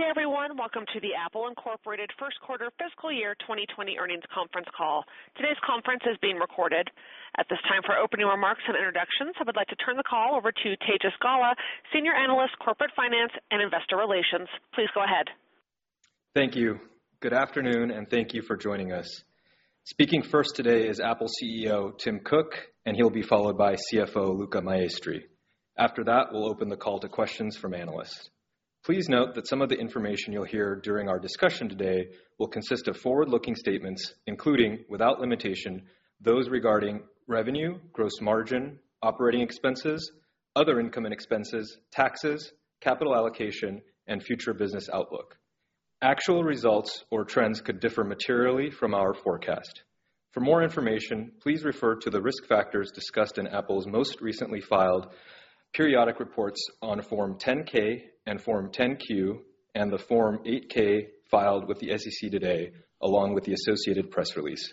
Good day, everyone. Welcome to the Apple Incorporated First Quarter Fiscal Year 2020 Earnings Conference Call. Today's conference is being recorded. At this time, for opening remarks and introductions, I would like to turn the call over to Tejas Gala, Senior Analyst, Corporate Finance and Investor Relations. Please go ahead. Thank you. Good afternoon, and thank you for joining us. Speaking first today is Apple CEO, Tim Cook, he'll be followed by CFO, Luca Maestri. After that, we'll open the call to questions from analysts. Please note that some of the information you'll hear during our discussion today will consist of forward-looking statements, including, without limitation, those regarding revenue, gross margin, operating expenses, other income and expenses, taxes, capital allocation, and future business outlook. Actual results or trends could differ materially from our forecast. For more information, please refer to the risk factors discussed in Apple's most recently filed periodic reports on Form 10-K and Form 10-Q, and the Form 8-K filed with the SEC today, along with the associated press release.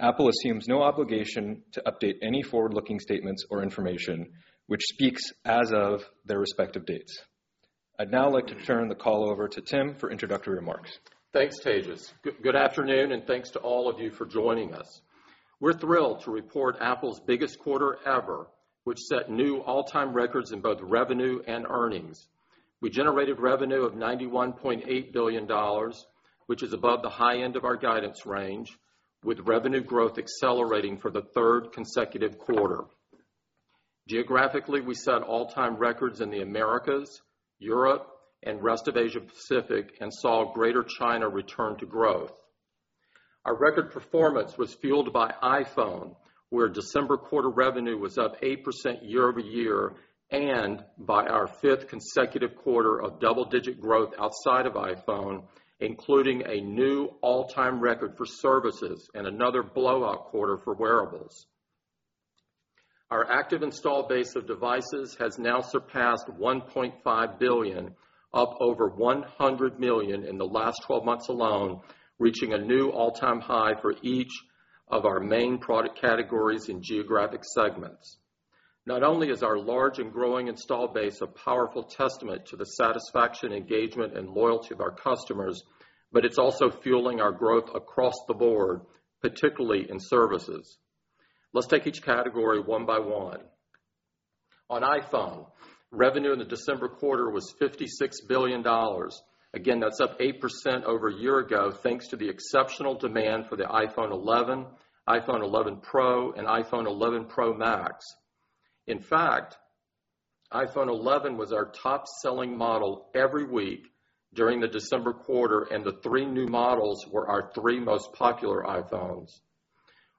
Apple assumes no obligation to update any forward-looking statements or information, which speaks as of their respective dates. I'd now like to turn the call over to Tim for introductory remarks. Thanks, Tejas. Good afternoon, thanks to all of you for joining us. We're thrilled to report Apple's biggest quarter ever, which set new all-time records in both revenue and earnings. We generated revenue of $91.8 billion, which is above the high end of our guidance range, with revenue growth accelerating for the third consecutive quarter. Geographically, we set all-time records in the Americas, Europe, and rest of Asia Pacific, saw Greater China return to growth. Our record performance was fueled by iPhone, where December quarter revenue was up 8% year-over-year, by our fifth consecutive quarter of double-digit growth outside of iPhone, including a new all-time record for services and another blowout quarter for wearables. Our active install base of devices has now surpassed $1.5 billion, up over $100 million in the last 12 months alone, reaching a new all-time high for each of our main product categories and geographic segments. It's also fueling our growth across the board, particularly in services. Let's take each category one by one. On iPhone, revenue in the December quarter was $56 billion. Again, that's up 8% over a year ago, thanks to the exceptional demand for the iPhone 11, iPhone 11 Pro, and iPhone 11 Pro Max. In fact, iPhone 11 was our top-selling model every week during the December quarter, and the three new models were our three most popular iPhones.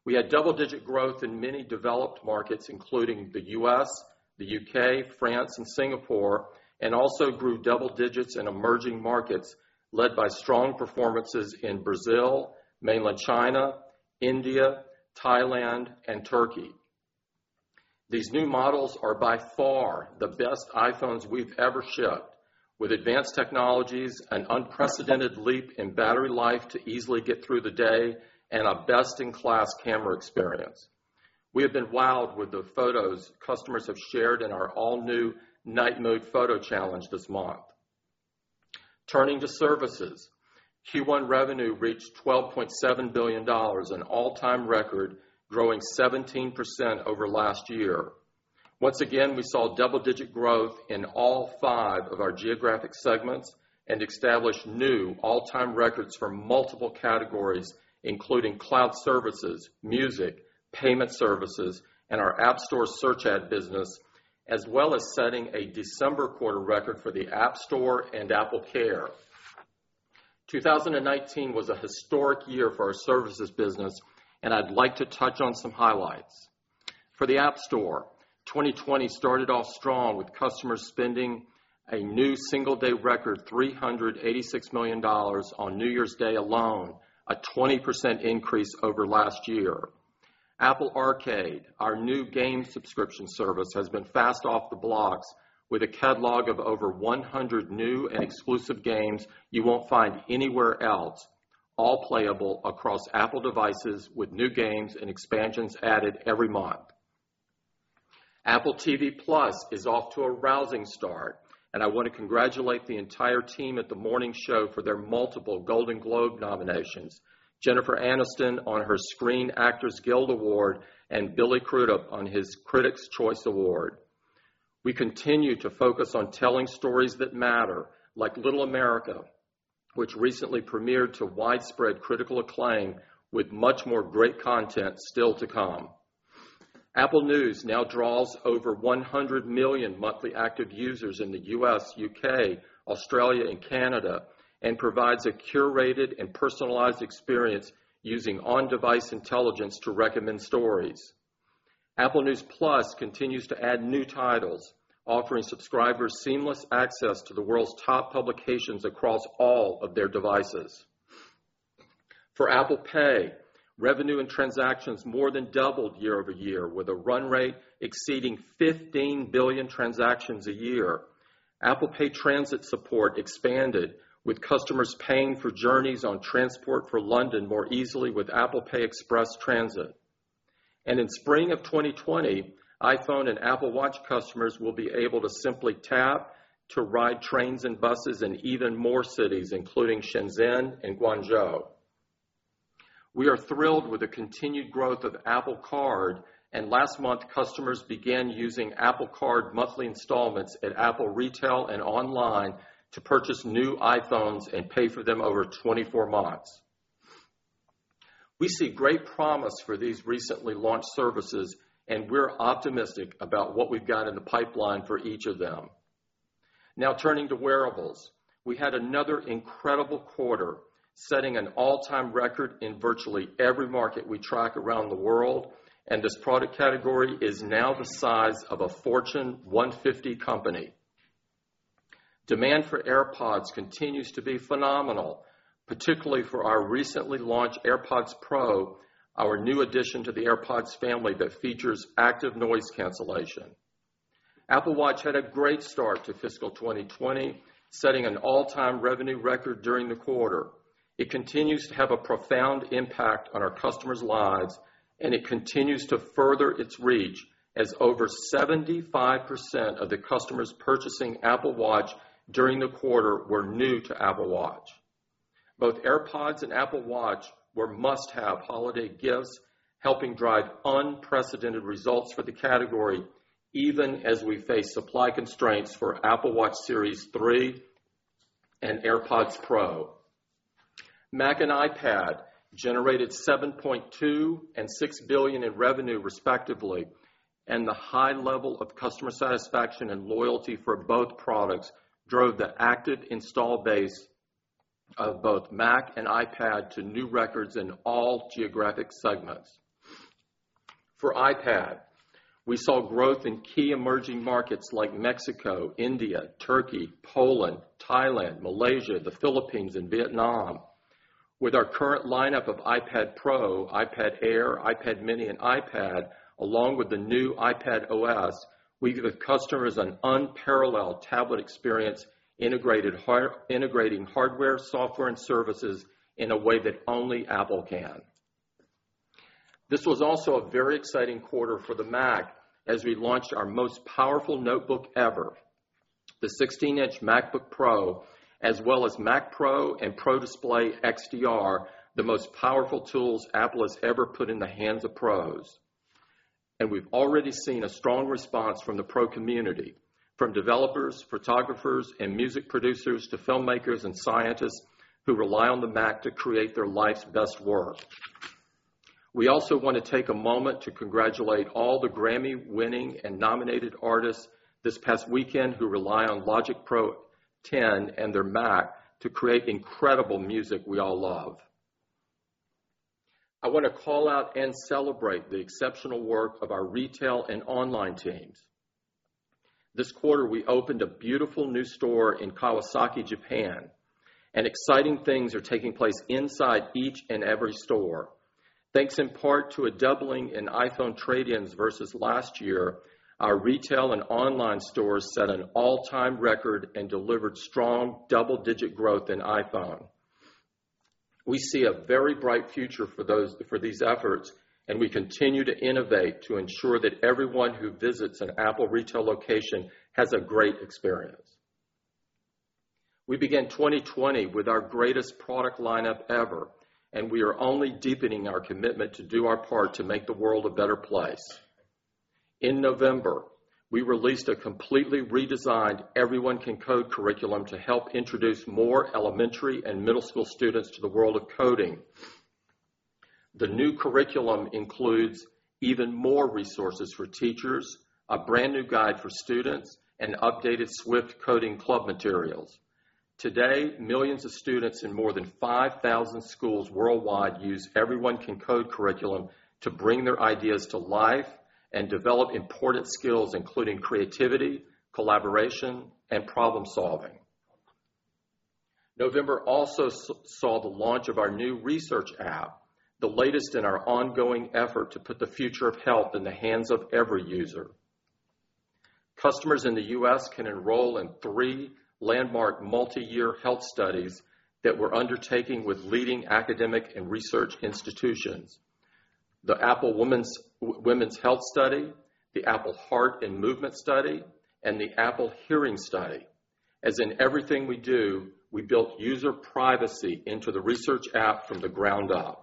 We had double-digit growth in many developed markets, including the U.S., the U.K., France, and Singapore, and also grew double-digits in emerging markets led by strong performances in Brazil, Mainland China, India, Thailand, and Turkey. These new models are by far the best iPhones we've ever shipped, with advanced technologies, an unprecedented leap in battery life to easily get through the day, and a best-in-class camera experience. We have been wowed with the photos customers have shared in our all-new Night mode photo challenge this month. Turning to services. Q1 revenue reached $12.7 billion, an all-time record growing 17% over last year. Once again, we saw double-digit growth in all five of our geographic segments and established new all-time records for multiple categories, including cloud services, music, payment services, and our App Store search ad business, as well as setting a December quarter record for the App Store and AppleCare. 2019 was a historic year for our services business, and I'd like to touch on some highlights. For the App Store, 2020 started off strong with customers spending a new single day record, $386 million on New Year's Day alone, a 20% increase over last year. Apple Arcade, our new game subscription service, has been fast off the blocks with a catalog of over 100 new and exclusive games you won't find anywhere else, all playable across Apple devices with new games and expansions added every month. Apple TV+ is off to a rousing start, and I want to congratulate the entire team at "The Morning Show" for their multiple Golden Globe nominations, Jennifer Aniston on her Screen Actors Guild Award, and Billy Crudup on his Critics Choice Award. We continue to focus on telling stories that matter, like "Little America," which recently premiered to widespread critical acclaim with much more great content still to come. Apple News now draws over 100 million monthly active users in the U.S., U.K., Australia, and Canada, and provides a curated and personalized experience using on-device intelligence to recommend stories. Apple News+ continues to add new titles, offering subscribers seamless access to the world's top publications across all of their devices. For Apple Pay, revenue and transactions more than doubled year-over-year with a run rate exceeding 15 billion transactions a year. Apple Pay transit support expanded with customers paying for journeys on Transport for London more easily with Apple Pay Express Transit. In spring of 2020, iPhone and Apple Watch customers will be able to simply tap to ride trains and buses in even more cities, including Shenzhen and Guangzhou. We are thrilled with the continued growth of Apple Card, and last month, customers began using Apple Card monthly installments at Apple Retail and online to purchase new iPhones and pay for them over 24 months. We see great promise for these recently launched services, and we're optimistic about what we've got in the pipeline for each of them. Turning to wearables. We had another incredible quarter, setting an all-time record in virtually every market we track around the world, and this product category is now the size of a Fortune 150 company. Demand for AirPods continues to be phenomenal, particularly for our recently launched AirPods Pro, our new addition to the AirPods family that features active noise cancellation. Apple Watch had a great start to fiscal 2020, setting an all-time revenue record during the quarter. It continues to have a profound impact on our customers' lives, and it continues to further its reach, as over 75% of the customers purchasing Apple Watch during the quarter were new to Apple Watch. Both AirPods and Apple Watch were must-have holiday gifts, helping drive unprecedented results for the category, even as we face supply constraints for Apple Watch Series 3 and AirPods Pro. Mac and iPad generated $7.2 billion and $6 billion in revenue respectively, and the high level of customer satisfaction and loyalty for both products drove the active install base of both Mac and iPad to new records in all geographic segments. For iPad, we saw growth in key emerging markets like Mexico, India, Turkey, Poland, Thailand, Malaysia, the Philippines, and Vietnam. With our current lineup of iPad Pro, iPad Air, iPad mini, and iPad, along with the new iPadOS, we give customers an unparalleled tablet experience integrating hardware, software, and services in a way that only Apple can. This was also a very exciting quarter for the Mac as we launched our most powerful notebook ever, the 16-inch MacBook Pro, as well as Mac Pro and Pro Display XDR, the most powerful tools Apple has ever put in the hands of pros. We've already seen a strong response from the pro community, from developers, photographers, and music producers, to filmmakers and scientists who rely on the Mac to create their life's best work. We also want to take a moment to congratulate all the Grammy-winning and nominated artists this past weekend who rely on Logic Pro X and their Mac to create incredible music we all love. I want to call out and celebrate the exceptional work of our retail and online teams. This quarter, we opened a beautiful new store in Kawasaki, Japan, and exciting things are taking place inside each and every store. Thanks in part to a doubling in iPhone trade-ins versus last year, our retail and online stores set an all-time record and delivered strong double-digit growth in iPhone. We see a very bright future for these efforts, and we continue to innovate to ensure that everyone who visits an Apple Retail location has a great experience. We begin 2020 with our greatest product lineup ever, and we are only deepening our commitment to do our part to make the world a better place. In November, we released a completely redesigned Everyone Can Code curriculum to help introduce more elementary and middle school students to the world of coding. The new curriculum includes even more resources for teachers, a brand-new guide for students, and updated Swift Coding Club materials. Today, millions of students in more than 5,000 schools worldwide use Everyone Can Code curriculum to bring their ideas to life and develop important skills, including creativity, collaboration, and problem-solving. November also saw the launch of our new Research app, the latest in our ongoing effort to put the future of health in the hands of every user. Customers in the U.S. can enroll in three landmark multi-year health studies that we're undertaking with leading academic and research institutions. The Apple Women's Health Study, the Apple Heart and Movement Study, and the Apple Hearing Study. As in everything we do, we built user privacy into the Research app from the ground up.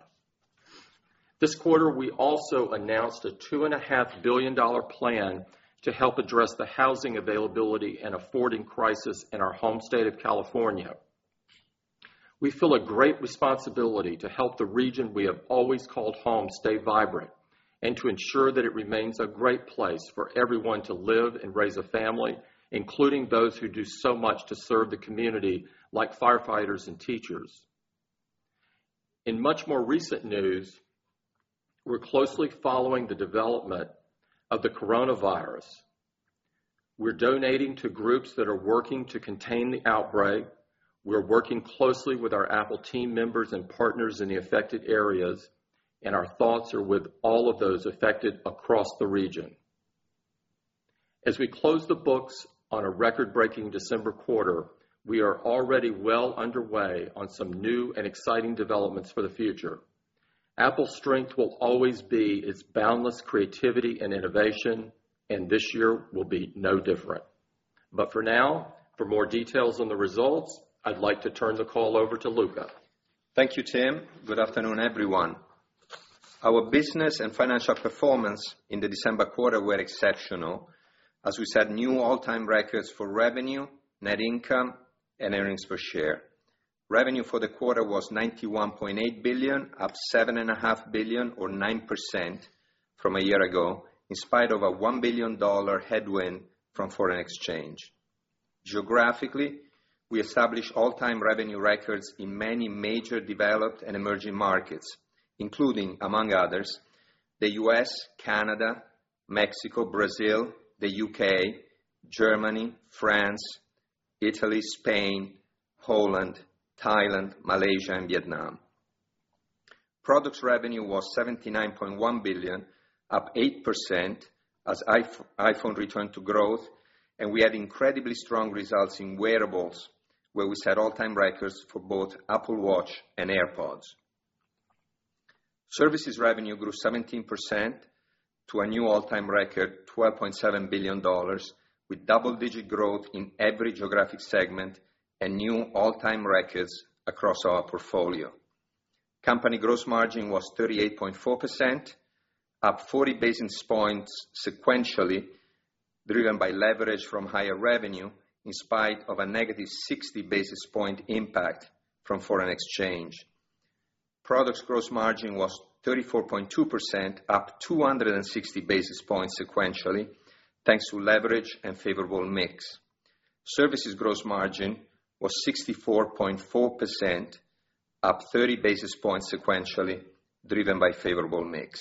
This quarter, we also announced a $2.5 billion plan to help address the housing availability and affording crisis in our home state of California. We feel a great responsibility to help the region we have always called home stay vibrant, and to ensure that it remains a great place for everyone to live and raise a family, including those who do so much to serve the community, like firefighters and teachers. In much more recent news, we're closely following the development of the coronavirus. We're donating to groups that are working to contain the outbreak. We're working closely with our Apple team members and partners in the affected areas. Our thoughts are with all of those affected across the region. As we close the books on a record-breaking December quarter, we are already well underway on some new and exciting developments for the future. Apple's strength will always be its boundless creativity and innovation. This year will be no different. For now, for more details on the results, I'd like to turn the call over to Luca. Thank you, Tim. Good afternoon, everyone. Our business and financial performance in the December quarter were exceptional, as we set new all-time records for revenue, net income, and earnings per share. Revenue for the quarter was $91.8 billion, up $7.5 billion or 9% from a year ago, in spite of a $1 billion headwind from foreign exchange. Geographically, we established all-time revenue records in many major developed and emerging markets, including, among others, the U.S., Canada, Mexico, Brazil, the U.K., Germany, France, Italy, Spain, Holland, Thailand, Malaysia, and Vietnam. Products revenue was $79.1 billion, up 8% as iPhone returned to growth, and we had incredibly strong results in wearables, where we set all-time records for both Apple Watch and AirPods. Services revenue grew 17% to a new all-time record $12.7 billion, with double-digit growth in every geographic segment and new all-time records across our portfolio. Company gross margin was 38.4%, up 40 basis points sequentially, driven by leverage from higher revenue in spite of a negative 60 basis points impact from foreign exchange. Products gross margin was 34.2%, up 260 basis points sequentially, thanks to leverage and favorable mix. Services gross margin was 64.4%, up 30 basis points sequentially, driven by favorable mix.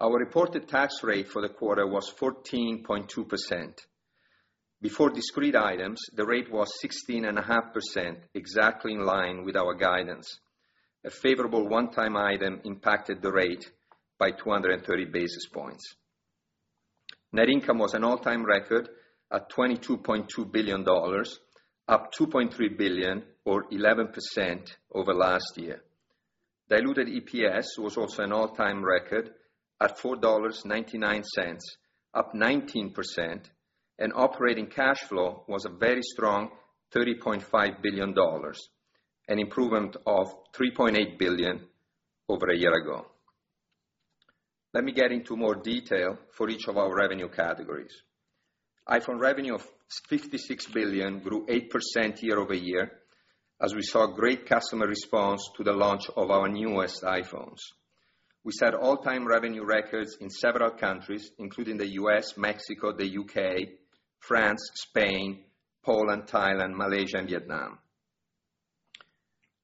Our reported tax rate for the quarter was 14.2%. Before discrete items, the rate was 16.5%, exactly in line with our guidance. A favorable one-time item impacted the rate by 230 basis points. Net income was an all-time record at $22.2 billion, up $2.3 billion or 11% over last year. Diluted EPS was also an all-time record at $4.99, up 19%, and operating cash flow was a very strong $30.5 billion, an improvement of $3.8 billion over a year ago. Let me get into more detail for each of our revenue categories. iPhone revenue of $56 billion grew 8% year-over-year, as we saw great customer response to the launch of our newest iPhones. We set all-time revenue records in several countries, including the U.S., Mexico, the U.K., France, Spain, Poland, Thailand, Malaysia, and Vietnam.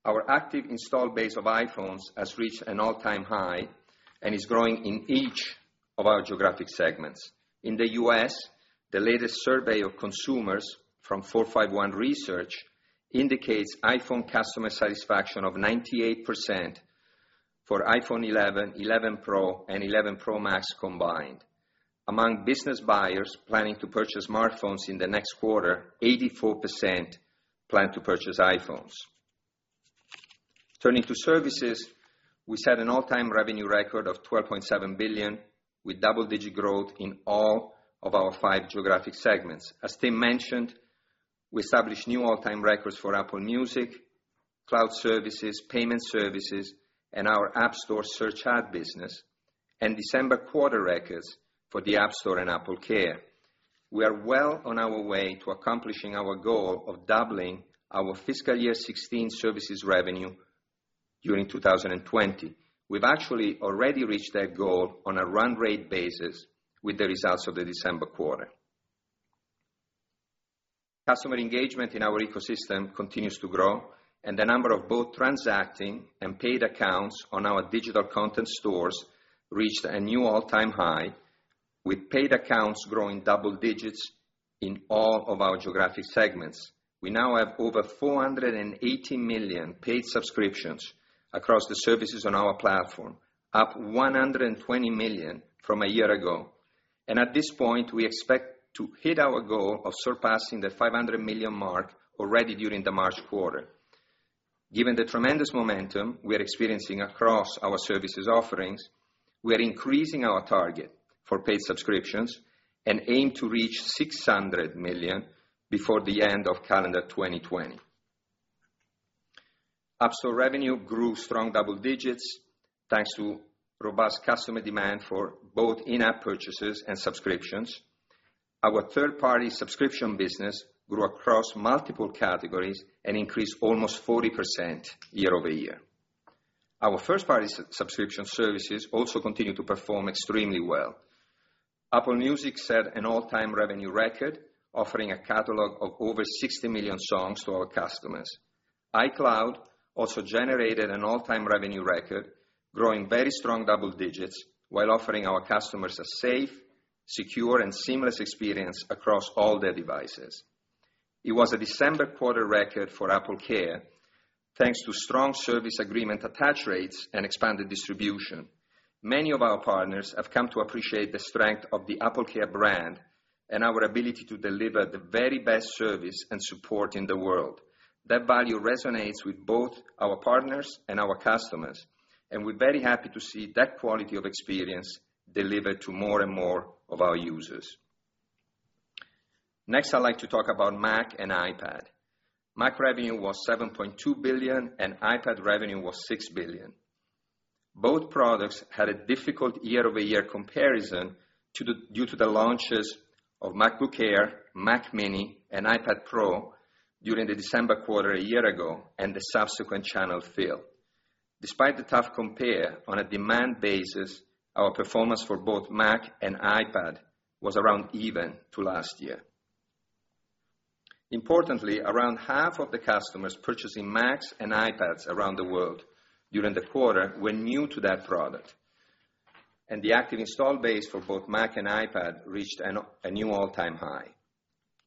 Our active install base of iPhones has reached an all-time high and is growing in each of our geographic segments. In the U.S., the latest survey of consumers from 451 Research indicates iPhone customer satisfaction of 98% for iPhone 11, iPhone 11 Pro, and iPhone 11 Pro Max combined. Among business buyers planning to purchase smartphones in the next quarter, 84% plan to purchase iPhones. Turning to services, we set an all-time revenue record of $12.7 billion with double-digit growth in all of our five geographic segments. As Tim mentioned, we established new all-time records for Apple Music, cloud services, payment services, and our App Store search ad business, and December quarter records for the App Store and AppleCare. We are well on our way to accomplishing our goal of doubling our fiscal year 2016 services revenue during 2020. We've actually already reached that goal on a run rate basis with the results of the December quarter. The number of both transacting and paid accounts on our digital content stores reached a new all-time high, with paid accounts growing double digits in all of our geographic segments. We now have over $480 million paid subscriptions across the services on our platform, up $120 million from a year ago. At this point, we expect to hit our goal of surpassing the $500 million mark already during the March quarter. Given the tremendous momentum we are experiencing across our services offerings, we are increasing our target for paid subscriptions and aim to reach $600 million before the end of calendar 2020. App Store revenue grew strong double digits, thanks to robust customer demand for both in-app purchases and subscriptions. Our third-party subscription business grew across multiple categories and increased almost 40% year-over-year. Our first-party subscription services also continue to perform extremely well. Apple Music set an all-time revenue record, offering a catalog of over 60 million songs to our customers. iCloud also generated an all-time revenue record, growing very strong double digits while offering our customers a safe, secure, and seamless experience across all their devices. It was a December quarter record for AppleCare, thanks to strong service agreement attach rates and expanded distribution. Many of our partners have come to appreciate the strength of the AppleCare brand and our ability to deliver the very best service and support in the world. That value resonates with both our partners and our customers, and we're very happy to see that quality of experience delivered to more and more of our users. Next, I'd like to talk about Mac and iPad. Mac revenue was $7.2 billion, and iPad revenue was $6 billion. Both products had a difficult year-over-year comparison due to the launches of MacBook Air, Mac mini, and iPad Pro during the December quarter a year ago, and the subsequent channel fill. Despite the tough compare on a demand basis, our performance for both Mac and iPad was around even to last year. Importantly, around half of the customers purchasing Macs and iPads around the world during the quarter were new to that product, and the active install base for both Mac and iPad reached a new all-time high.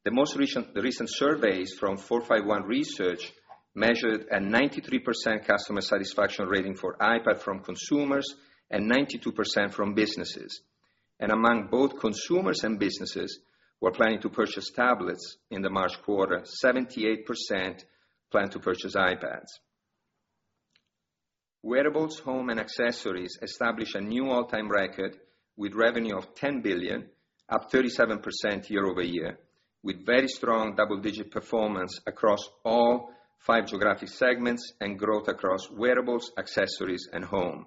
The recent surveys from 451 Research measured a 93% customer satisfaction rating for iPad from consumers and 92% from businesses. Among both consumers and businesses who are planning to purchase tablets in the March quarter, 78% plan to purchase iPads. Wearables, home, and accessories established a new all-time record with revenue of $10 billion, up 37% year-over-year, with very strong double-digit performance across all five geographic segments and growth across wearables, accessories, and home.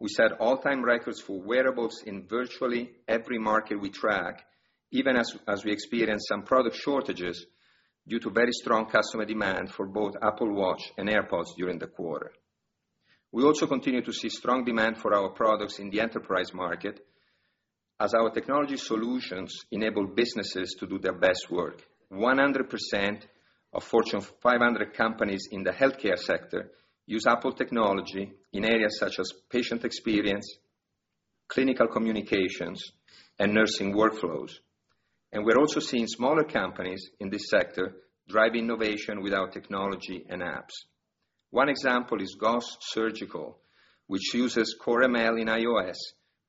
We set all-time records for wearables in virtually every market we track, even as we experienced some product shortages due to very strong customer demand for both Apple Watch and AirPods during the quarter. We also continue to see strong demand for our products in the enterprise market as our technology solutions enable businesses to do their best work. 100% of Fortune 500 companies in the healthcare sector use Apple technology in areas such as patient experience, clinical communications, and nursing workflows. We're also seeing smaller companies in this sector drive innovation with our technology and apps. One example is Gauss Surgical, which uses Core ML in iOS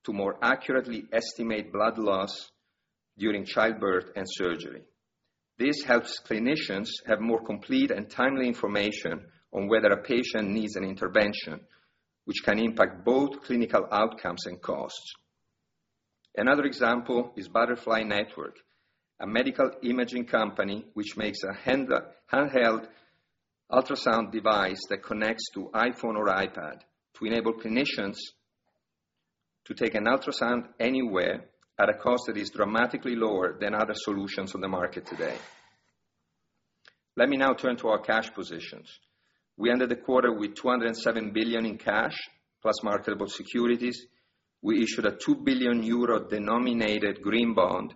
to more accurately estimate blood loss during childbirth and surgery. This helps clinicians have more complete and timely information on whether a patient needs an intervention, which can impact both clinical outcomes and costs. Another example is Butterfly Network, a medical imaging company which makes a handheld ultrasound device that connects to iPhone or iPad to enable clinicians to take an ultrasound anywhere at a cost that is dramatically lower than other solutions on the market today. Let me now turn to our cash positions. We ended the quarter with $207 billion in cash plus marketable securities. We issued a 2 billion euro-denominated green bond,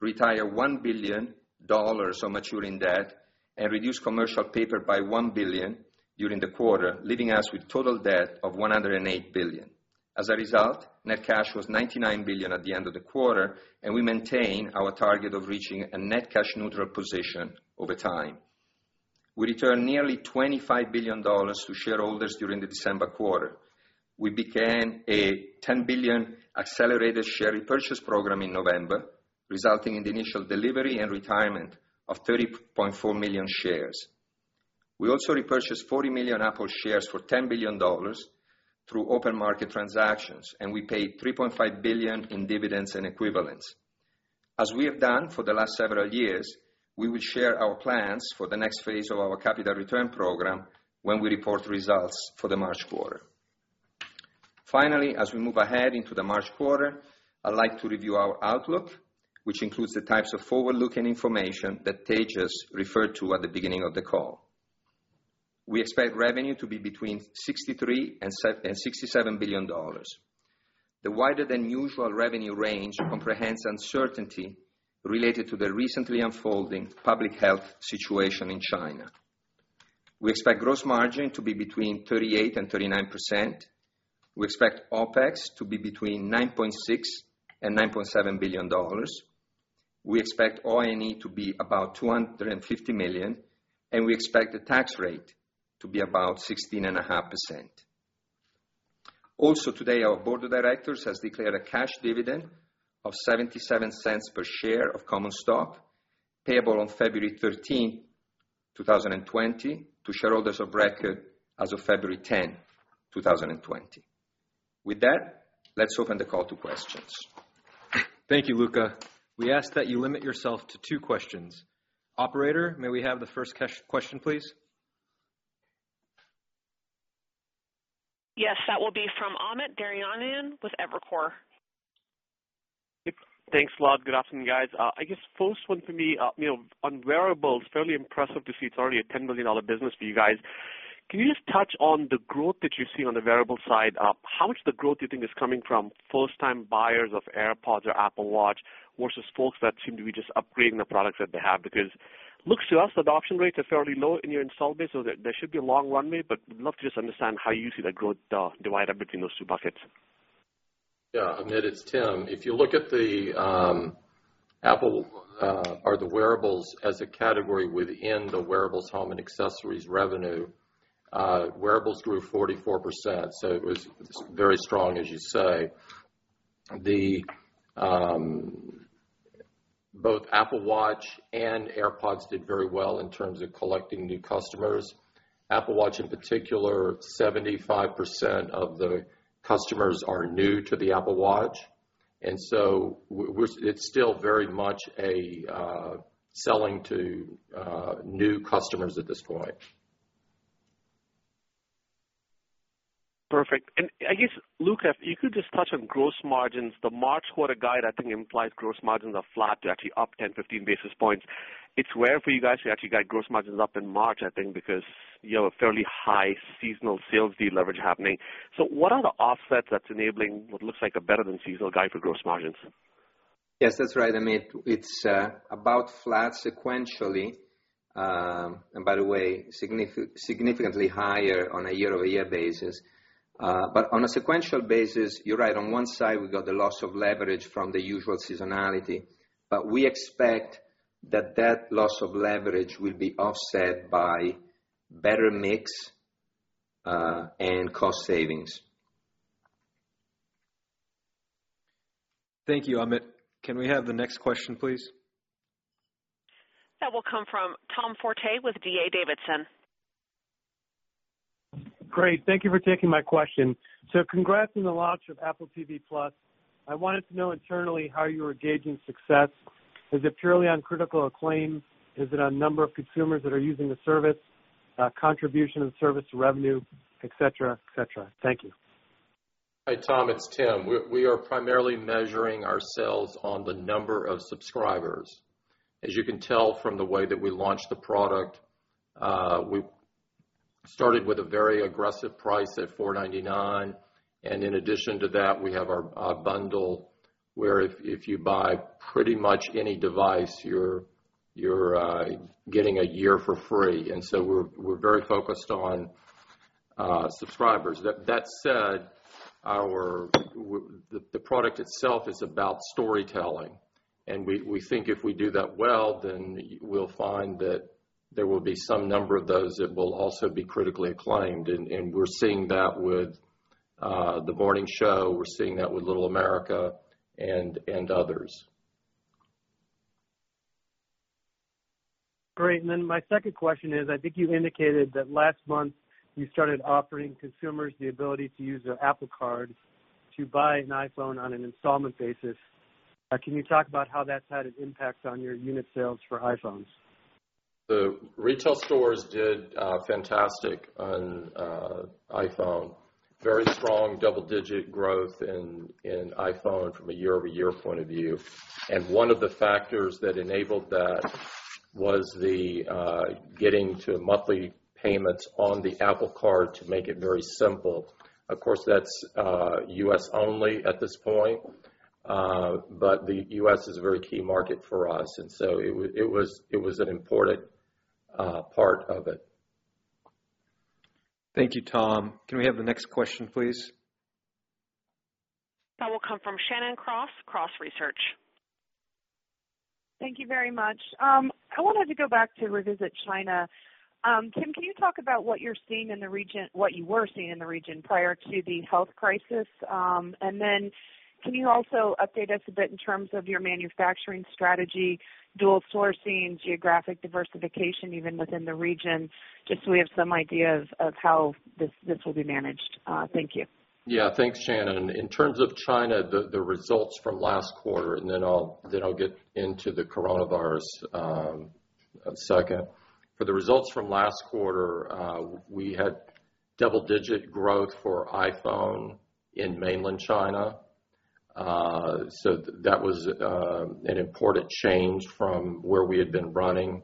retired $1 billion of maturing debt, and reduced commercial paper by $1 billion during the quarter, leaving us with total debt of $108 billion. As a result, net cash was $99 billion at the end of the quarter, and we maintain our target of reaching a net cash neutral position over time. We returned nearly $25 billion to shareholders during the December quarter. We began a $10 billion accelerated share repurchase program in November, resulting in the initial delivery and retirement of 30.4 million shares. We also repurchased 40 million Apple shares for $10 billion through open market transactions. We paid $3.5 billion in dividends and equivalents. As we have done for the last several years, we will share our plans for the next phase of our capital return program when we report results for the March quarter. As we move ahead into the March quarter, I'd like to review our outlook, which includes the types of forward-looking information that Tejas referred to at the beginning of the call. We expect revenue to be between $63 billion and $67 billion. The wider than usual revenue range comprehends uncertainty related to the recently unfolding public health situation in China. We expect gross margin to be between 38% and 39%. We expect OpEx to be between $9.6 billion and $9.7 billion. We expect OIE to be about $250 million. We expect the tax rate to be about 16.5%. Also today, our board of directors has declared a cash dividend of $0.77 per share of common stock payable on February 13th, 2020, to shareholders of record as of February 10th, 2020. With that, let's open the call to questions. Thank you, Luca. We ask that you limit yourself to two questions. Operator, may we have the first question, please? Yes, that will be from Amit Daryanani with Evercore. Thanks a lot. Good afternoon, guys. I guess first one from me. On wearables, fairly impressive to see it's already a $10 million business for you guys. Can you just touch on the growth that you're seeing on the wearable side? How much of the growth do you think is coming from first-time buyers of AirPods or Apple Watch versus folks that seem to be just upgrading the products that they have? Looks to us, adoption rates are fairly low in your install base, so there should be a long runway, but would love to just understand how you see that growth divided up between those two buckets. Amit, it's Tim. If you look at the Apple or the wearables as a category within the wearables home and accessories revenue, wearables grew 44%. It was very strong as you say. Both Apple Watch and AirPods did very well in terms of collecting new customers. Apple Watch, in particular, 75% of the customers are new to the Apple Watch, it's still very much selling to new customers at this point. Perfect. I guess, Luca, if you could just touch on gross margins. The March quarter guide, I think, implies gross margins are flat to actually up 10 basis points, 15 basis points. It's rare for you guys to actually guide gross margins up in March, I think, because you have a fairly high seasonal sales deleverage happening. What are the offsets that's enabling what looks like a better than seasonal guide for gross margins? Yes, that's right, Amit. It's about flat sequentially. By the way, significantly higher on a year-over-year basis. On a sequential basis, you're right. On one side, we've got the loss of leverage from the usual seasonality. We expect that that loss of leverage will be offset by better mix and cost savings. Thank you, Amit. Can we have the next question, please? That will come from Tom Forte with D.A. Davidson. Great. Thank you for taking my question. Congrats on the launch of Apple TV+. I wanted to know internally how you were gauging success. Is it purely on critical acclaim? Is it on number of consumers that are using the service, contribution of service revenue, et cetera? Thank you. Hi, Tom. It's Tim. We are primarily measuring our sales on the number of subscribers. As you can tell from the way that we launched the product, we started with a very aggressive price at $4.99, and in addition to that, we have our bundle where if you buy pretty much any device, you're getting a year for free. We're very focused on subscribers. That said, the product itself is about storytelling, and we think if we do that well, then we'll find that there will be some number of those that will also be critically acclaimed, and we're seeing that with "The Morning Show," we're seeing that with "Little America" and others. Great. My second question is, I think you indicated that last month you started offering consumers the ability to use their Apple Card to buy an iPhone on an installment basis. Can you talk about how that's had an impact on your unit sales for iPhones? The retail stores did fantastic on iPhone. Very strong double-digit growth in iPhone from a year-over-year point of view. One of the factors that enabled that was the getting to monthly payments on the Apple Card to make it very simple. Of course, that's U.S. only at this point. The U.S. is a very key market for us, and so it was an important part of it. Thank you, Tom. Can we have the next question, please? That will come from Shannon Cross, Cross Research. Thank you very much. I wanted to go back to revisit China. Tim, can you talk about what you're seeing in the region, what you were seeing in the region prior to the health crisis? Can you also update us a bit in terms of your manufacturing strategy, dual sourcing, geographic diversification, even within the region, just so we have some idea of how this will be managed. Thank you. Yeah, thanks, Shannon. In terms of China, the results from last quarter, and then I'll get into the coronavirus in a second. For the results from last quarter, we had double-digit growth for iPhone in mainland China. That was an important change from where we had been running.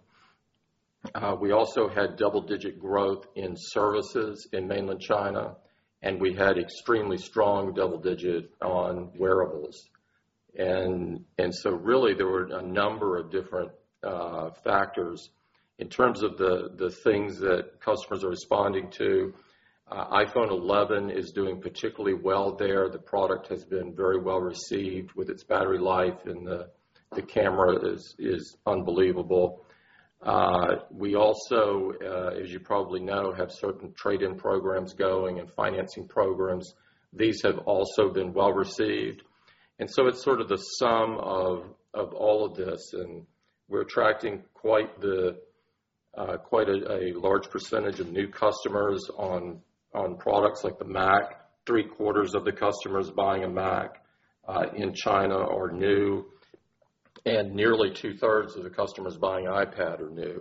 We also had double-digit growth in services in mainland China, and we had extremely strong double-digit on wearables. Really, there were a number of different factors. In terms of the things that customers are responding to, iPhone 11 is doing particularly well there. The product has been very well received with its battery life, and the camera is unbelievable. We also, as you probably know, have certain trade-in programs going and financing programs. These have also been well received. It's sort of the sum of all of this, and we're attracting quite a large percentage of new customers on products like the Mac. 3/4 of the customers buying a Mac in China are new, and nearly two-thirds of the customers buying iPad are new.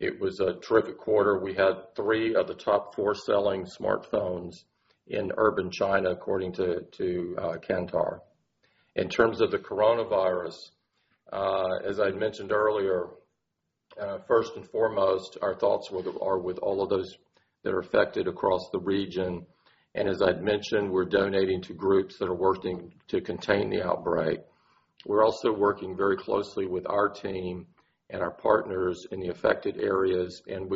It was a terrific quarter. We had three of the top four selling smartphones in urban China, according to Kantar. In terms of the coronavirus, as I'd mentioned earlier, first and foremost, our thoughts are with all of those that are affected across the region. As I'd mentioned, we're donating to groups that are working to contain the outbreak. We're also working very closely with our team and our partners in the affected areas, and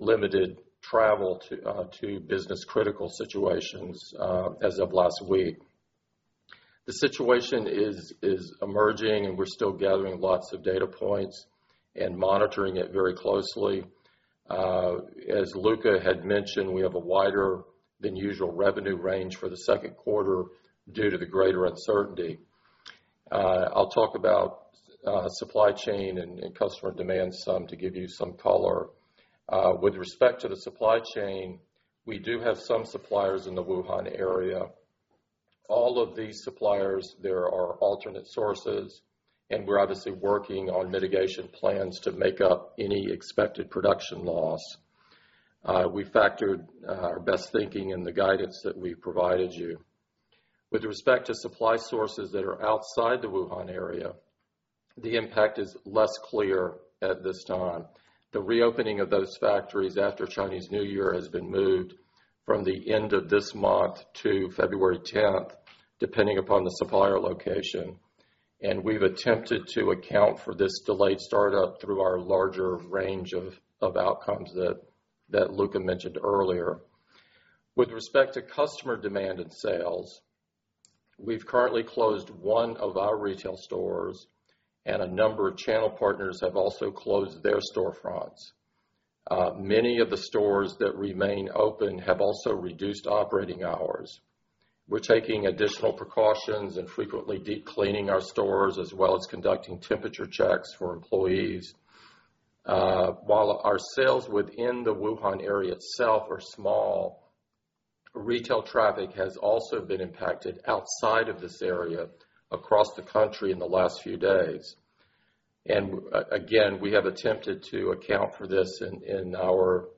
Limited travel to business critical situations as of last week. The situation is emerging, and we're still gathering lots of data points and monitoring it very closely. As Luca had mentioned, we have a wider than usual revenue range for the second quarter due to the greater uncertainty. I'll talk about supply chain and customer demand some to give you some color. With respect to the supply chain, we do have some suppliers in the Wuhan area. All of these suppliers, there are alternate sources, and we're obviously working on mitigation plans to make up any expected production loss. We factored our best thinking in the guidance that we provided you. With respect to supply sources that are outside the Wuhan area, the impact is less clear at this time. The reopening of those factories after Chinese New Year has been moved from the end of this month to February 10th, depending upon the supplier location. We've attempted to account for this delayed startup through our larger range of outcomes that Luca mentioned earlier. With respect to customer demand and sales, we've currently closed one of our retail stores and a number of channel partners have also closed their storefronts. Many of the stores that remain open have also reduced operating hours. We're taking additional precautions and frequently deep cleaning our stores, as well as conducting temperature checks for employees. While our sales within the Wuhan area itself are small, retail traffic has also been impacted outside of this area across the country in the last few days. Again, we have attempted to account for this in our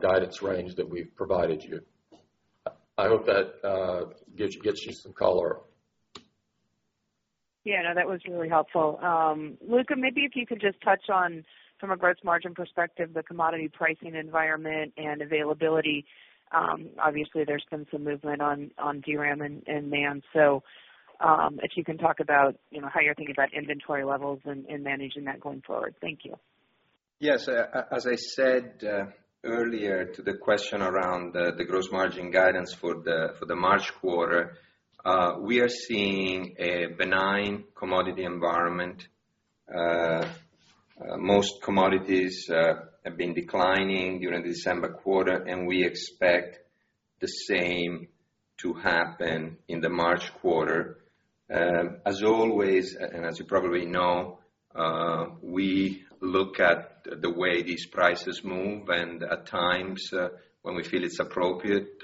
guidance range that we've provided you. I hope that gets you some color. Yeah, no, that was really helpful. Luca, maybe if you could just touch on, from a gross margin perspective, the commodity pricing environment and availability. Obviously, there's been some movement on DRAM and NAND. If you can talk about how you're thinking about inventory levels and managing that going forward. Thank you. Yes. As I said earlier to the question around the gross margin guidance for the March Quarter, we are seeing a benign commodity environment. Most commodities have been declining during the December Quarter. We expect the same to happen in the March Quarter. As always, as you probably know, we look at the way these prices move. At times when we feel it's appropriate,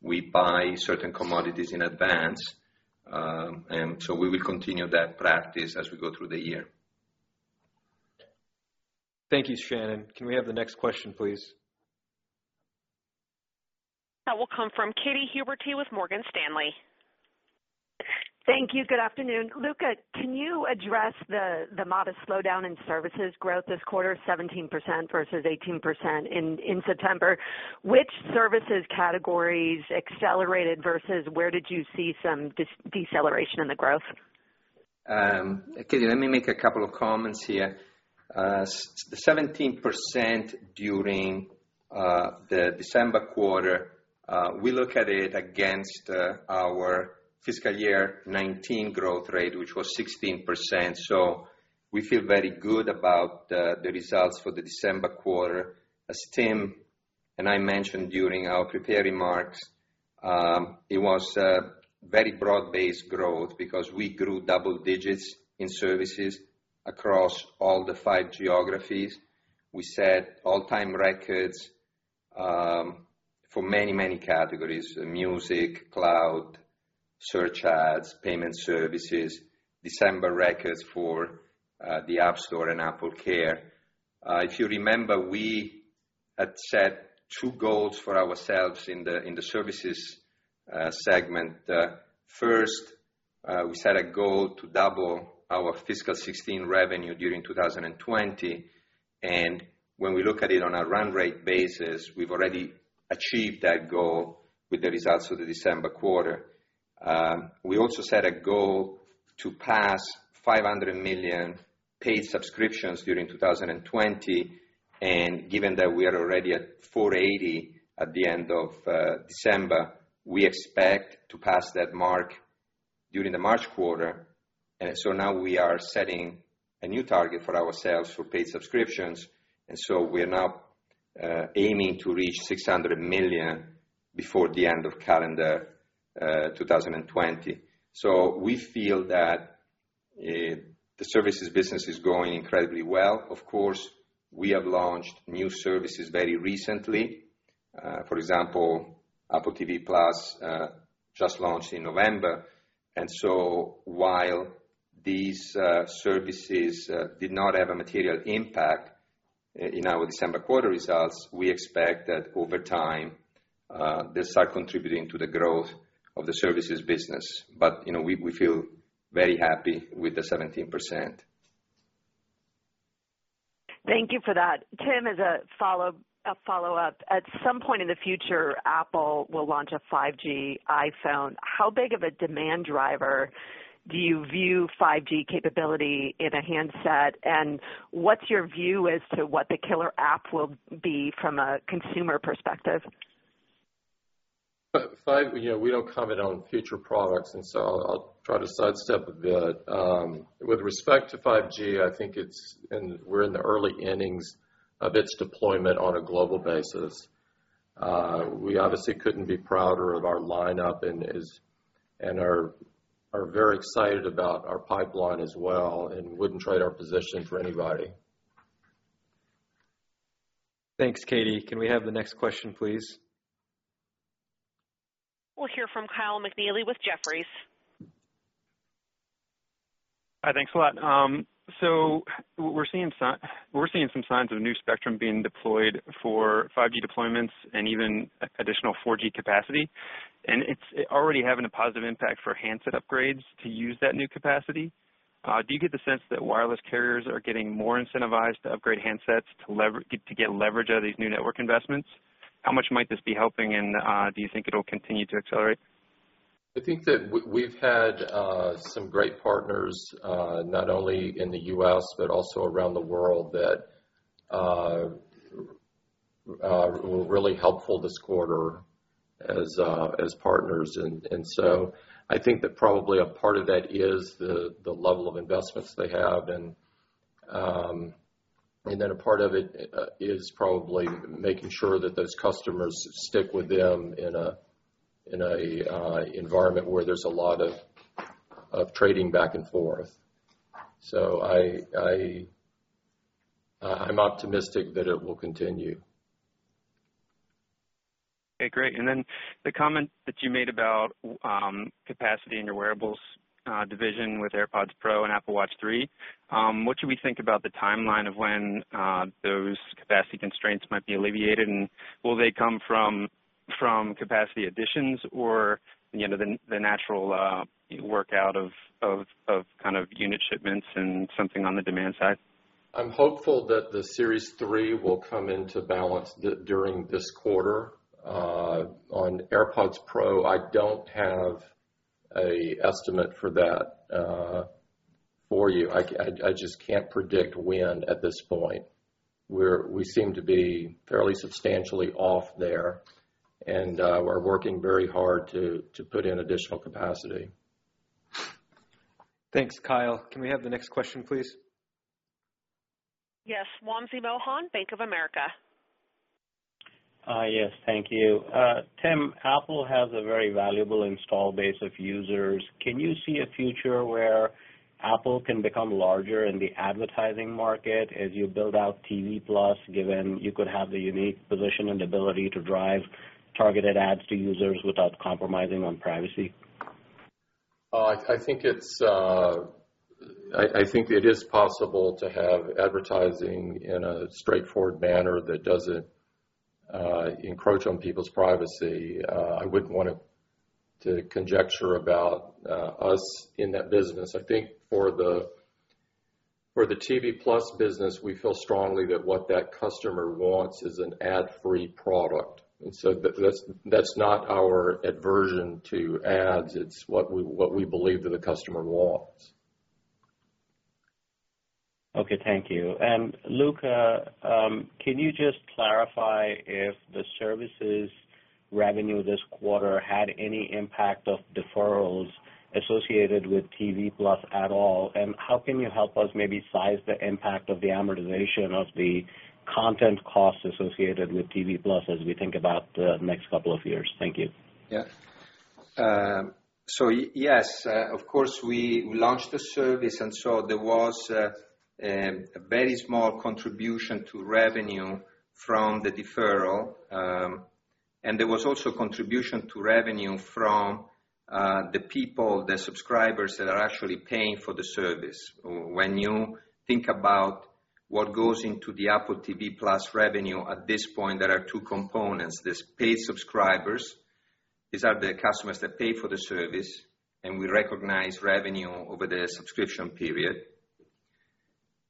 we buy certain commodities in advance. We will continue that practice as we go through the year. Thank you, Shannon. Can we have the next question, please? That will come from Katy Huberty with Morgan Stanley. Thank you. Good afternoon. Luca, can you address the modest slowdown in services growth this quarter, 17% versus 18% in September? Which services categories accelerated versus where did you see some deceleration in the growth? Katy, let me make a couple of comments here. 17% during the December quarter, we look at it against our fiscal year 2019 growth rate, which was 16%. We feel very good about the results for the December quarter. As Tim and I mentioned during our prepared remarks, it was a very broad-based growth because we grew double digits in services across all the five geographies. We set all-time records for many, many categories, music, cloud, search ads, payment services, December records for the App Store and AppleCare. If you remember, we had set two goals for ourselves in the services segment. First, we set a goal to double our fiscal 2016 revenue during 2020. When we look at it on a run rate basis, we've already achieved that goal with the results of the December quarter. We also set a goal to pass 500 million paid subscriptions during 2020. Given that we are already at 480 million at the end of December, we expect to pass that mark during the March quarter. Now we are setting a new target for ourselves for paid subscriptions, and so we are now aiming to reach 600 million before the end of calendar 2020. We feel that the services business is growing incredibly well. Of course, we have launched new services very recently. For example, Apple TV+ just launched in November. While these services did not have a material impact in our December quarter results, we expect that over time, they'll start contributing to the growth of the services business. We feel very happy with the 17%. Thank you for that. Tim, as a follow-up, at some point in the future, Apple will launch a 5G iPhone. How big of a demand driver do you view 5G capability in a handset? What's your view as to what the killer app will be from a consumer perspective? We don't comment on future products. I'll try to sidestep a bit. With respect to 5G, I think we're in the early innings of its deployment on a global basis. We obviously couldn't be prouder of our lineup and are very excited about our pipeline as well. Wouldn't trade our position for anybody. Thanks, Katy. Can we have the next question, please? We'll hear from Kyle McNealy with Jefferies. Hi, thanks a lot. We're seeing some signs of new spectrum being deployed for 5G deployments and even additional 4G capacity. It's already having a positive impact for handset upgrades to use that new capacity. Do you get the sense that wireless carriers are getting more incentivized to upgrade handsets to get leverage out of these new network investments? How much might this be helping, and do you think it'll continue to accelerate? I think that we've had some great partners, not only in the U.S., but also around the world, that were really helpful this quarter as partners. I think that probably a part of that is the level of investments they have, and then a part of it is probably making sure that those customers stick with them in an environment where there's a lot of trading back and forth. I'm optimistic that it will continue. Okay, great. The comment that you made about capacity in your wearables division with AirPods Pro and Apple Watch 3, what should we think about the timeline of when those capacity constraints might be alleviated? Will they come from capacity additions or the natural workout of unit shipments and something on the demand side? I'm hopeful that the Series 3 will come into balance during this quarter. On AirPods Pro, I don't have an estimate for that for you. I just can't predict when at this point. We seem to be fairly substantially off there, and we're working very hard to put in additional capacity. Thanks, Kyle. Can we have the next question, please? Yes. Wamsi Mohan, Bank of America. Yes. Thank you. Tim, Apple has a very valuable install base of users. Can you see a future where Apple can become larger in the advertising market as you build out Apple TV+, given you could have the unique position and ability to drive targeted ads to users without compromising on privacy? I think it is possible to have advertising in a straightforward manner that doesn't encroach on people's privacy. I wouldn't want to conjecture about us in that business. I think for the Apple TV+ business, we feel strongly that what that customer wants is an ad-free product. That's not our aversion to ads, it's what we believe that the customer wants. Okay. Thank you. Luca, can you just clarify if the services revenue this quarter had any impact of deferrals associated with TV+ at all? How can you help us maybe size the impact of the amortization of the content cost associated with TV+ as we think about the next couple of years? Thank you. Yes, of course, we launched the service. There was a very small contribution to revenue from the deferral. There was also contribution to revenue from the people, the subscribers that are actually paying for the service. When you think about what goes into the Apple TV+ revenue, at this point there are two components. There's paid subscribers. These are the customers that pay for the service, and we recognize revenue over the subscription period.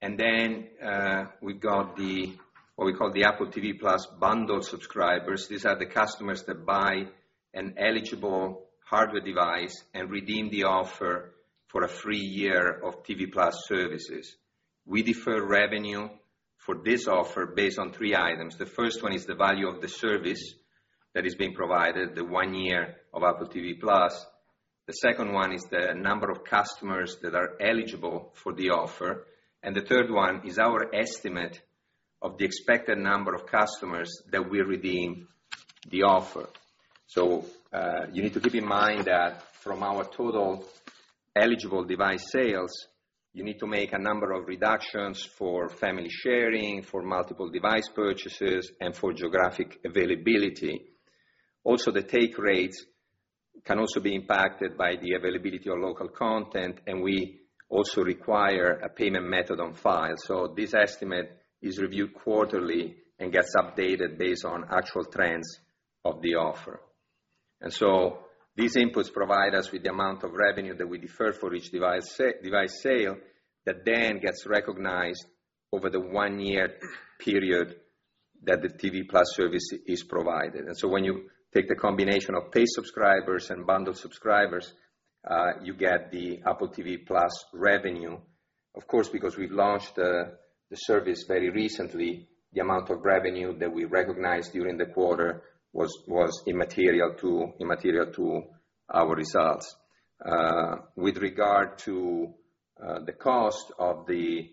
Then we've got what we call the Apple TV+ bundle subscribers. These are the customers that buy an eligible hardware device and redeem the offer for a free year of TV+ services. We defer revenue for this offer based on three items. The first one is the value of the service that is being provided, the one year of Apple TV+. The second one is the number of customers that are eligible for the offer. The third one is our estimate of the expected number of customers that will redeem the offer. You need to keep in mind that from our total eligible device sales, you need to make a number of reductions for family sharing, for multiple device purchases, and for geographic availability. Also, the take rates can also be impacted by the availability of local content, and we also require a payment method on file. This estimate is reviewed quarterly and gets updated based on actual trends of the offer. These inputs provide us with the amount of revenue that we defer for each device sale. That then gets recognized over the one-year period that the TV+ service is provided. When you take the combination of paid subscribers and bundled subscribers, you get the Apple TV+ revenue. Of course, because we launched the service very recently, the amount of revenue that we recognized during the quarter was immaterial to our results. With regard to the cost of the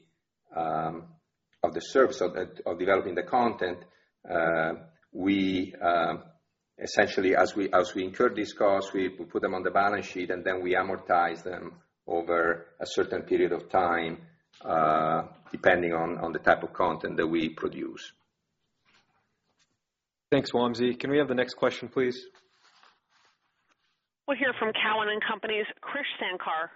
service, of developing the content, essentially, as we incur these costs, we put them on the balance sheet, we amortize them over a certain period of time, depending on the type of content that we produce. Thanks, Wamsi. Can we have the next question, please? We'll hear from Cowen and Company's Krish Sankar.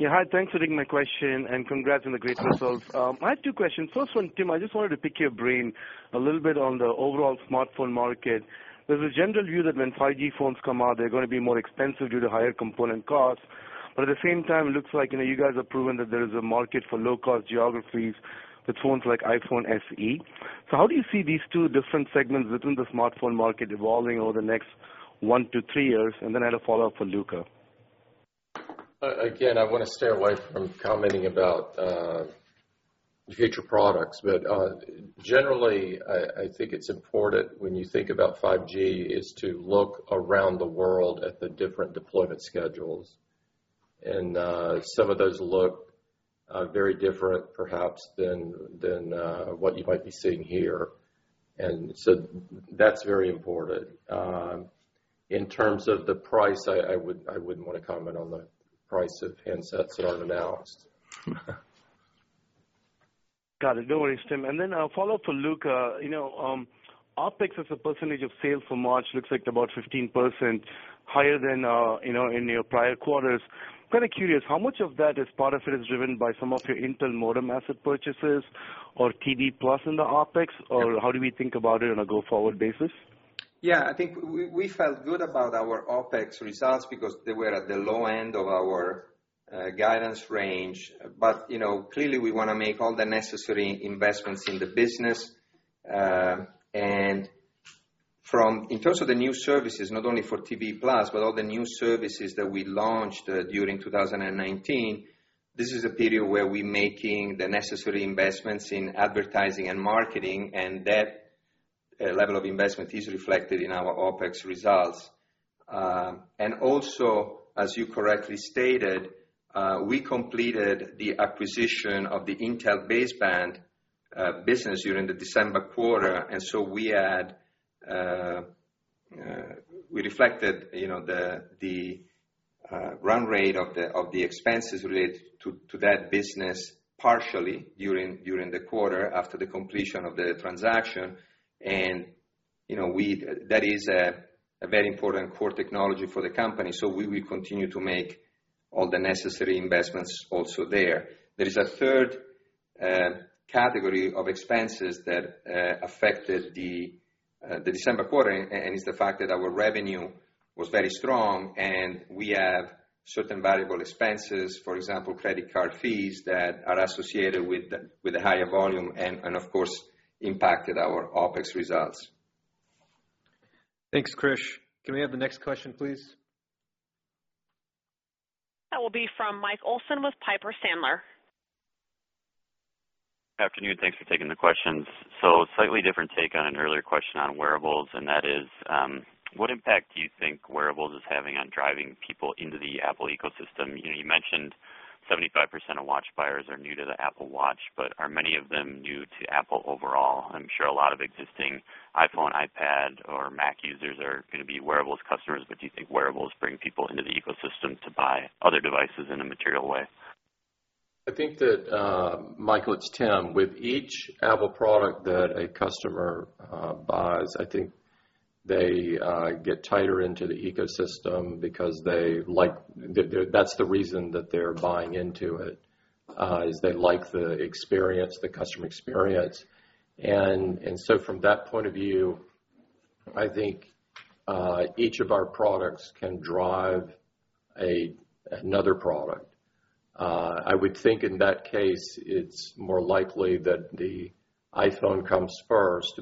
Yeah, hi. Thanks for taking my question, and congrats on the great results. I have two questions. First one, Tim, I just wanted to pick your brain a little bit on the overall smartphone market. There's a general view that when 5G phones come out, they're going to be more expensive due to higher component costs. At the same time, it looks like you guys have proven that there is a market for low-cost geographies with phones like iPhone SE. How do you see these two different segments within the smartphone market evolving over the next one to three years? I had a follow-up for Luca. I want to stay away from commenting about future products. Generally, I think it's important when you think about 5G, is to look around the world at the different deployment schedules. Some of those look very different, perhaps, than what you might be seeing here. That's very important. In terms of the price, I wouldn't want to comment on the price of handsets that aren't announced. Got it. No worries, Tim. A follow-up for Luca. OpEx as a percentage of sales for March looks like about 15% higher than in your prior quarters. I'm kind of curious, how much of that is part of it is driven by some of your Intel modem asset purchases or TV+ into OpEx? How do we think about it on a go-forward basis? Yeah, I think we felt good about our OpEx results because they were at the low end of our guidance range. Clearly, we want to make all the necessary investments in the business. In terms of the new services, not only for Apple TV+, but all the new services that we launched during 2019, this is a period where we're making the necessary investments in advertising and marketing, and that level of investment is reflected in our OpEx results. Also, as you correctly stated, we completed the acquisition of the Intel baseband business during the December quarter, and so we reflected the run rate of the expenses related to that business partially during the quarter after the completion of the transaction. That is a very important core technology for the company. We will continue to make all the necessary investments also there. There is a third category of expenses that affected the December quarter, and it's the fact that our revenue was very strong, and we have certain variable expenses, for example, credit card fees, that are associated with the higher volume, and of course, impacted our OpEx results. Thanks, Krish. Can we have the next question, please? That will be from Mike Olson with Piper Sandler. Afternoon. Thanks for taking the questions. Slightly different take on an earlier question on wearables, and that is, what impact do you think wearables is having on driving people into the Apple ecosystem? You mentioned 75% of watch buyers are new to the Apple Watch, are many of them new to Apple overall? I'm sure a lot of existing iPhone, iPad, or Mac users are going to be wearables customers, do you think wearables bring people into the ecosystem to buy other devices in a material way? I think that, Mike, it's Tim, with each Apple product that a customer buys, I think they get tighter into the ecosystem because that's the reason that they're buying into it, is they like the experience, the customer experience. From that point of view, I think each of our products can drive another product. I would think in that case, it's more likely that the iPhone comes first.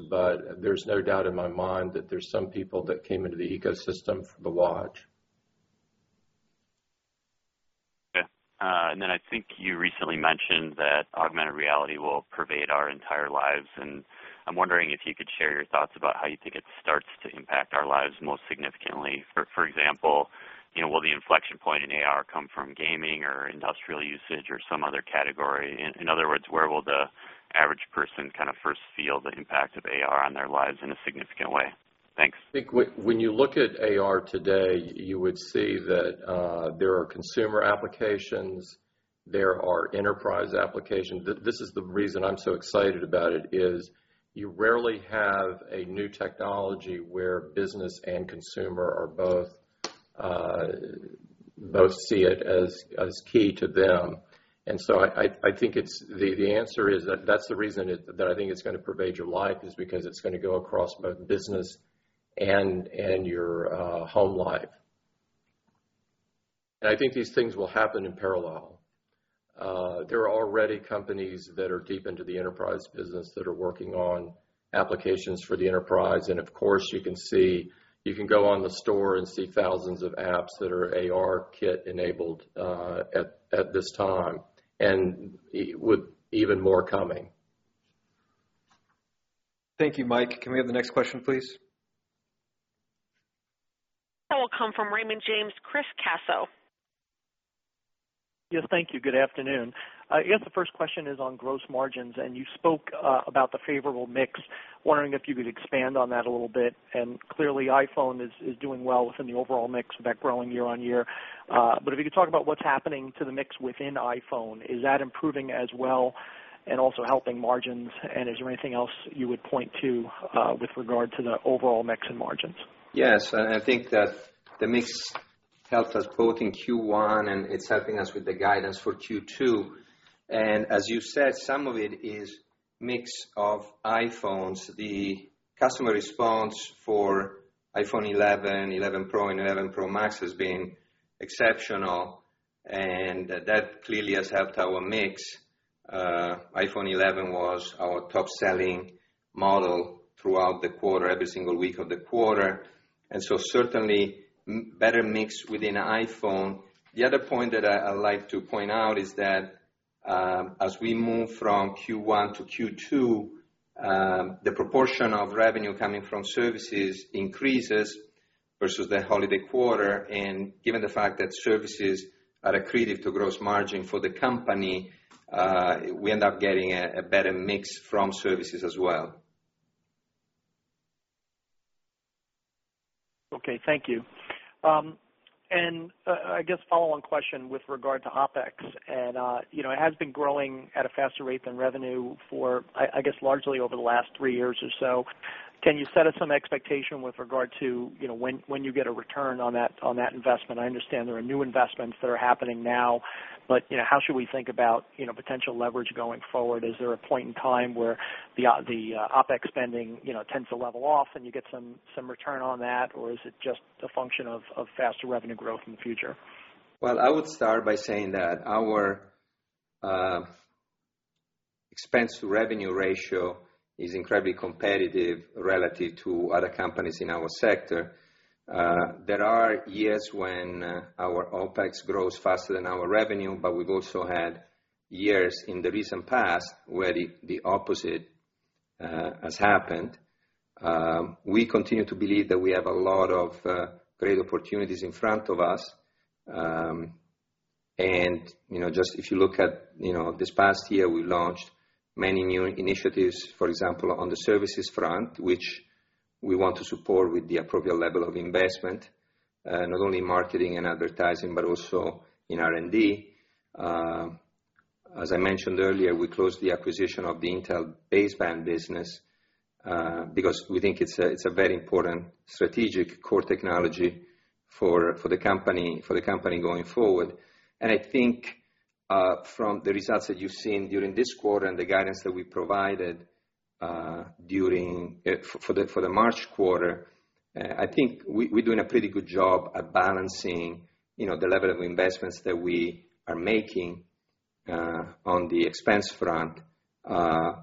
There's no doubt in my mind that there's some people that came into the ecosystem for the watch. Yeah. I think you recently mentioned that augmented reality will pervade our entire lives, and I'm wondering if you could share your thoughts about how you think it starts to impact our lives most significantly. For example, will the inflection point in AR come from gaming or industrial usage or some other category? In other words, where will the average person first feel the impact of AR on their lives in a significant way? Thanks. I think when you look at AR today, you would see that there are consumer applications, there are enterprise applications. This is the reason I'm so excited about it, is you rarely have a new technology where business and consumer both see it as key to them. I think the answer is that's the reason that I think it's going to pervade your life, is because it's going to go across both business and your home life. I think these things will happen in parallel. There are already companies that are deep into the enterprise business that are working on applications for the enterprise. You can go on the App Store and see thousands of apps that are ARKit-enabled at this time, with even more coming. Thank you, Mike. Can we have the next question, please? That will come from Raymond James, Chris Caso. Yes. Thank you. Good afternoon. I guess the first question is on gross margins. You spoke about the favorable mix. Wondering if you could expand on that a little bit. Clearly iPhone is doing well within the overall mix, in fact, growing year-on-year. If you could talk about what's happening to the mix within iPhone, is that improving as well and also helping margins? Is there anything else you would point to with regard to the overall mix and margins? Yes, I think that the mix helped us both in Q1, and it's helping us with the guidance for Q2. As you said, some of it is mix of iPhones. The customer response for iPhone 11 Pro, and 11 Pro Max has been exceptional, that clearly has helped our mix. iPhone 11 was our top-selling model throughout the quarter, every single week of the quarter, certainly better mix within iPhone. The other point that I'd like to point out is that as we move from Q1 to Q2, the proportion of revenue coming from services increases versus the holiday quarter, given the fact that services are accretive to gross margin for the company, we end up getting a better mix from services as well. Okay. Thank you. I guess a follow-on question with regard to OpEx, it has been growing at a faster rate than revenue for, I guess, largely over the last three years or so. Can you set us some expectation with regard to when you get a return on that investment? I understand there are new investments that are happening now, how should we think about potential leverage going forward? Is there a point in time where the OpEx spending tends to level off, and you get some return on that, or is it just a function of faster revenue growth in the future? Well, I would start by saying that our expense-to-revenue ratio is incredibly competitive relative to other companies in our sector. There are years when our OpEx grows faster than our revenue, but we've also had years in the recent past where the opposite has happened. We continue to believe that we have a lot of great opportunities in front of us. If you look at this past year, we launched many new initiatives, for example, on the services front, which we want to support with the appropriate level of investment, not only in marketing and advertising but also in R&D. As I mentioned earlier, we closed the acquisition of the Intel baseband business because we think it's a very important strategic core technology for the company going forward. I think from the results that you've seen during this quarter and the guidance that we provided for the March quarter, I think we're doing a pretty good job at balancing the level of investments that we are making on the expense front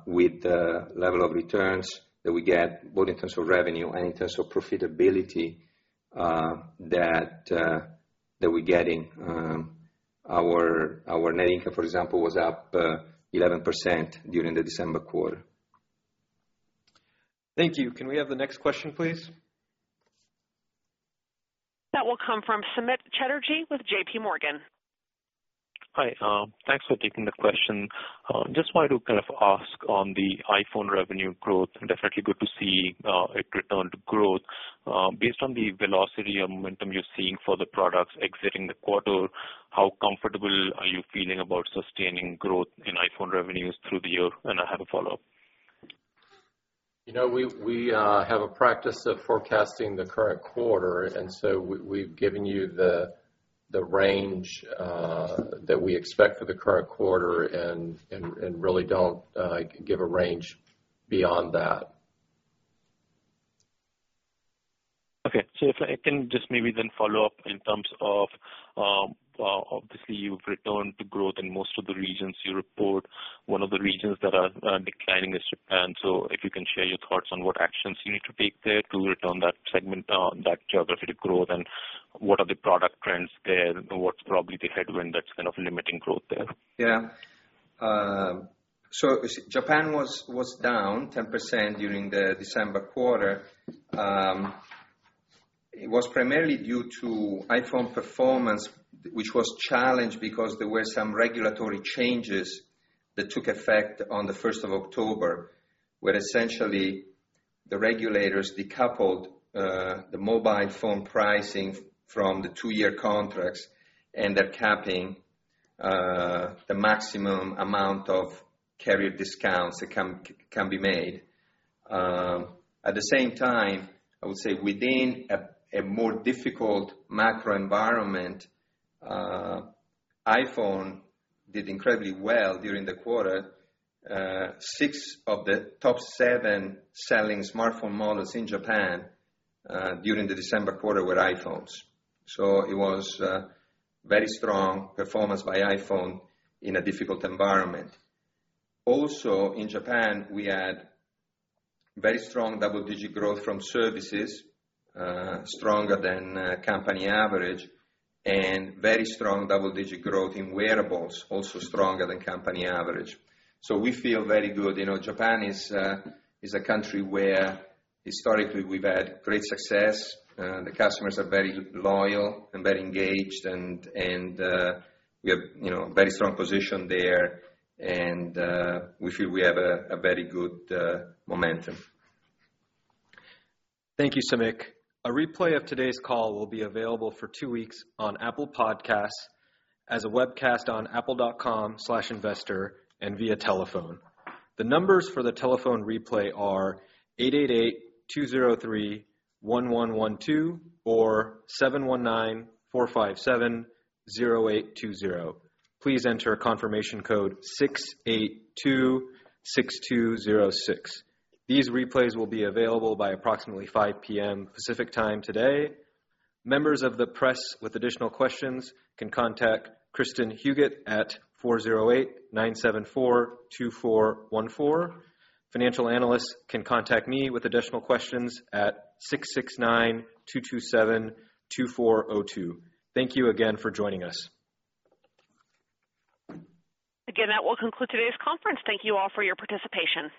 with the level of returns that we get, both in terms of revenue and in terms of profitability that we're getting. Our net income, for example, was up 11% during the December quarter. Thank you. Can we have the next question, please? That will come from Samik Chatterjee with J.P. Morgan. Hi. Thanks for taking the question. Just wanted to ask on the iPhone revenue growth, definitely good to see it return to growth. Based on the velocity and momentum you're seeing for the products exiting the quarter, how comfortable are you feeling about sustaining growth in iPhone revenues through the year? I have a follow-up. We have a practice of forecasting the current quarter, and so we've given you the range that we expect for the current quarter and really don't give a range beyond that. Okay. If I can just maybe then follow up in terms of, obviously, you've returned to growth in most of the regions you report. One of the regions that are declining is Japan. If you can share your thoughts on what actions you need to take there to return that segment, that geographic growth, and what are the product trends there? What's probably the headwind that's limiting growth there? Yeah. Japan was down 10% during the December quarter. It was primarily due to iPhone performance, which was challenged because there were some regulatory changes that took effect on the 1st of October, where essentially the regulators decoupled the mobile phone pricing from the two-year contracts, and they're capping the maximum amount of carrier discounts that can be made. At the same time, I would say within a more difficult macro environment, iPhone did incredibly well during the quarter. Six of the top seven selling smartphone models in Japan during the December quarter were iPhones. So it was a very strong performance by iPhone in a difficult environment. Also, in Japan, we had very strong double-digit growth from services, stronger than company average, and very strong double-digit growth in wearables, also stronger than company average. So we feel very good. Japan is a country where historically we've had great success. The customers are very loyal and very engaged, and we have a very strong position there, and we feel we have a very good momentum. Thank you, Samik. A replay of today's call will be available for two weeks on Apple Podcasts, as a webcast on apple.com/investor, and via telephone. The numbers for the telephone replay are 888-203-1112 or 719-457-0820. Please enter confirmation code 6826206. These replays will be available by approximately 5:00 P.M. Pacific Time today. Members of the press with additional questions can contact Kristin Huguet at 408-974-2414. Financial analysts can contact me with additional questions at 669-227-2402. Thank you again for joining us. Again, that will conclude today's conference. Thank you all for your participation.